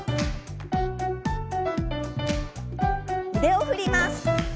腕を振ります。